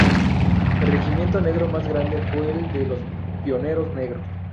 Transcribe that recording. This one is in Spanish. El regimiento Negro más grande fue el de los pioneros negros.